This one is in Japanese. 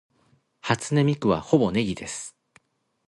初音ミクはほぼネギです